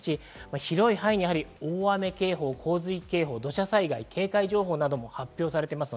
広い範囲に大雨警報、洪水警報、土砂災害警戒情報なども発表されています。